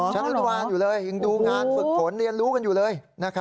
ชั้นอนุบาลอยู่เลยยังดูงานฝึกฝนเรียนรู้กันอยู่เลย